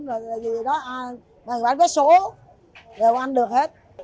rồi đó bán vé số rồi ăn được hết